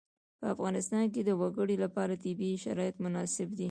په افغانستان کې د وګړي لپاره طبیعي شرایط مناسب دي.